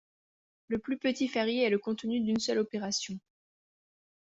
Le plus petit ferrier est le contenu d’une seule opération.